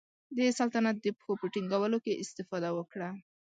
د سلطنت د پښو په ټینګولو کې استفاده وکړه.